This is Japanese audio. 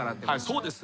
そうです。